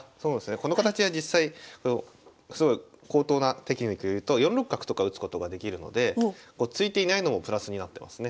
この形は実際すごい高等なテクニックを言うと４六角とか打つことができるので突いていないのもプラスになってますね。